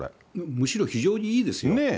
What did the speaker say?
むしろ非常にいいですよ。